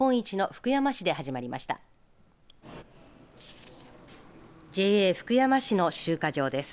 ＪＡ福山市の集荷場です。